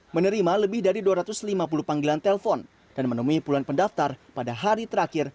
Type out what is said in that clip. menerima lebih dari dua ratus lima puluh panggilan telpon dan menemui puluhan pendaftar pada hari terakhir